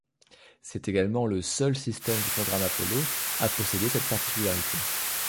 C'est également le seul système du programme Apollo à posséder cette particularité.